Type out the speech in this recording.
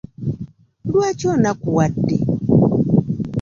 Lwaki onakuwadde?